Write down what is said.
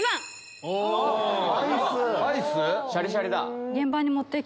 シャリシャリだ。